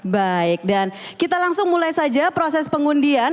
baik dan kita langsung mulai saja proses pengundian